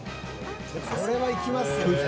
「これはいきますよね」